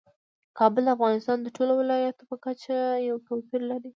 کابل د افغانستان د ټولو ولایاتو په کچه یو توپیر لري.